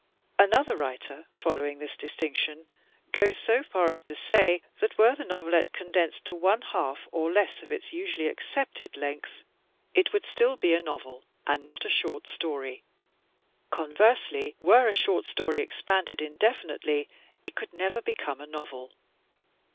Another writer, following this distinction, goes so far as to say that were the novelette condensed to one half or less of its usually accepted length it would still be a novel and not a short story. Conversely, were a short story expanded indefinitely it could never become a novel.